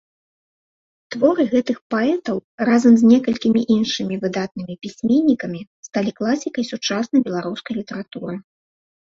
Творы гэтых паэтаў, разам з некалькімі іншымі выдатнымі пісьменнікамі, сталі класікай сучаснай беларускай літаратуры.